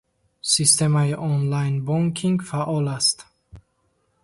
Системаи онлайн-бонкинг фаъол аст.